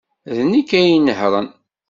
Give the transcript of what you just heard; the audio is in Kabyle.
D nekk ay inehhṛen.